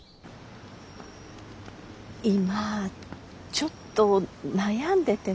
今ちょっと悩んでてね。